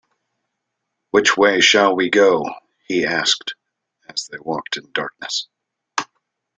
“Which way shall we go?” he asked as they walked in darkness.